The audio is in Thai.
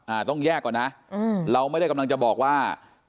ต้องแยกก่อนนะอืมเราไม่ได้กำลังจะบอกว่า